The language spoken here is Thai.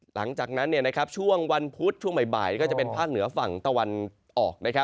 หลังจากนั้นช่วงวันพุธช่วงบ่ายก็จะเป็นภาคเหนือฝั่งตะวันออก